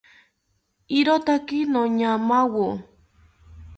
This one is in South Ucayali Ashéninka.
¡Irotake noñamawo!